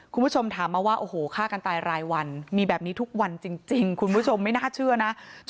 คุณผู้ชมถามมาว่าโอ้โหฆ่ากันตายรายวันมีแบบนี้ทุกวันจริงคุณผู้ชมไม่น่าเชื่อนะ